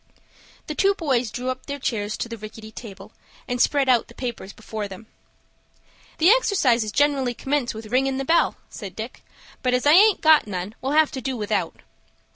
The two boys drew up their chairs to the rickety table, and spread out the paper before them. "The exercises generally Commence with ringin' the bell," said Dick; "but as I aint got none, we'll have to do without."